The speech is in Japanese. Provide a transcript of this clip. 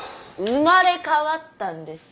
生まれ変わったんです。